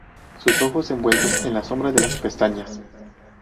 sus ojos, envueltos en la sombra de las pestañas